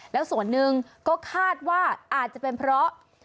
แล้วส่วนหนึ่งก็คาดว่าอาจจะเป็นเพราะ